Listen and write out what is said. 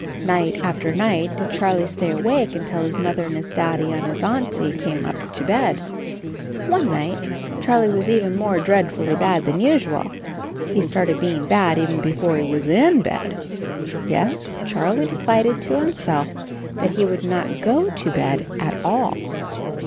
Night after night did Charlie stay awake until his Mother and his Daddy and his Auntie came up to bed. One night Charlie was even more dread fully bad than usual. He started being bad even before he was in bed! Yes, Charlie de cided to himself that he would not go to bed at all.